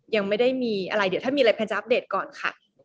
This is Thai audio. ยังไม่ได้มีอะไรเดี๋ยวถ้ามีอะไรแพนจะอัปเดตก่อนค่ะ